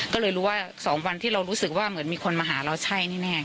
ก็เลยรู้ว่า๒วันที่เรารู้สึกว่าเหมือนมีคนมาหาเราใช่แน่